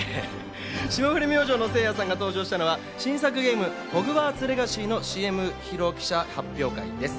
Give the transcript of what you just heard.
霜降り明星のせいやさんが登場したのは、新作ゲーム『ホグワーツ・レガシー』のＣＭ披露記者発表会です。